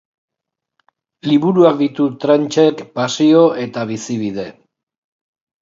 Liburuak ditu Tranchek pasio eta bizibide.